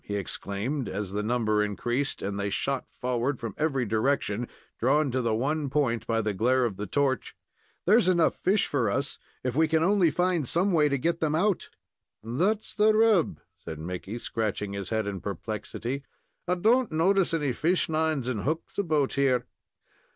he exclaimed, as the number increased, and they shot forward from every direction, drawn to the one point by the glare of the torch. "There's enough fish for us, if we can only find some way to get them out." "That's the rub," said Mickey, scratching his head in perplexity. "I don't notice any fishlines and hooks about here.